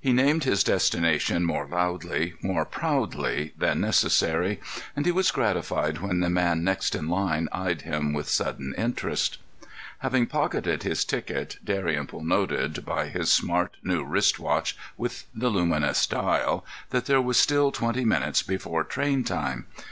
He named his destination more loudly, more proudly than necessary, and he was gratified when the man next in line eyed him with sudden interest. Having pocketed his ticket, Dalrymple noted, by his smart new wrist watch with the luminous dial, that there was still twenty minutes before train time.